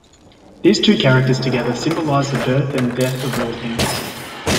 These two characters together symbolize the birth and death of all things.